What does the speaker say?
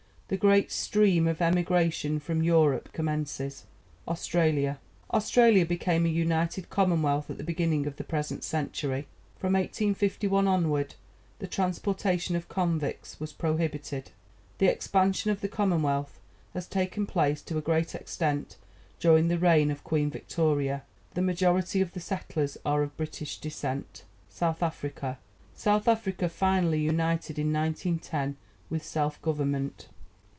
The great stream of emigration from Europe commences. AUSTRALIA Australia became a United Commonwealth at the beginning of the present century. From 1851 onward the transportation of convicts was prohibited. The expansion of the Commonwealth has taken place to a great extent during the reign of Queen Victoria. The majority of the settlers are of British descent. SOUTH AFRICA South Africa finally united in 1910 with self government.